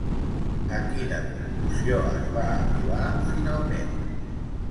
A quina conclusió es va arribar finalment?